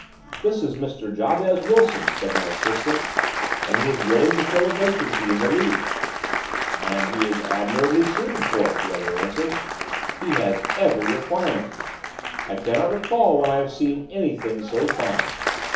"'This is Mr. Jabez Wilson,' said my assistant, 'and he is willing to fill a vacancy in the League.' "'And he is admirably suited for it,' the other answered. 'He has every requirement. I cannot recall when I have seen anything so fine.